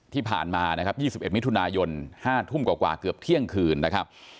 ที่ผ่านมานะครับ๒๑มิถุนายน๕ทุ่มกว่าเกือบเที่ยงคืนนะครับ